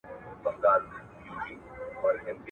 ځلانده